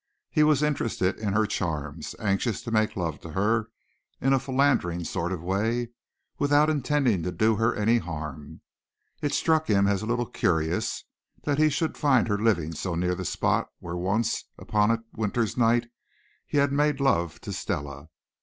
He was interested in her charms, anxious to make love to her in a philandering sort of way, without intending to do her any harm. It struck him as a little curious that he should find her living so near the spot where once upon a winter's night he had made love to Stella.